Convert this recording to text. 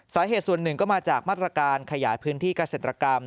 สาเหตุส่วนหนึ่งก็มาจากมาตรการขยายพื้นที่เกษตรกรรม